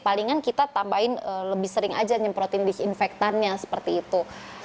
palingan kita tambahin lebih sering aja nyemprotin disinfektannya seperti itu